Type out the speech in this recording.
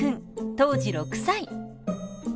当時６歳。